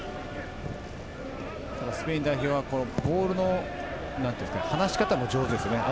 スペイン代表はボールの離し方も上手です。